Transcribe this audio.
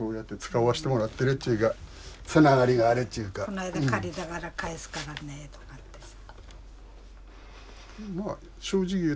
こないだ借りたから返すからねとかってさ。